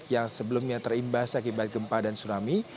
yang sebelumnya terimbas akibat gempa dan tsunami